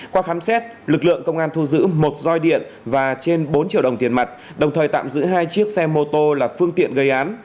qua khám xét lực lượng công an thu giữ một roi điện và trên bốn triệu đồng tiền mặt đồng thời tạm giữ hai chiếc xe mô tô là phương tiện gây án